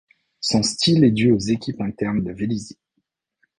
Son style est dû aux équipes internes de Velizy.